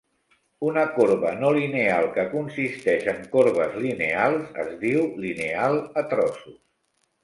Una corba no lineal que consisteix en corbes lineals es diu lineal a trossos.